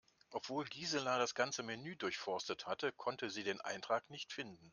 Obwohl Gisela das ganze Menü durchforstet hatte, konnte sie den Eintrag nicht finden.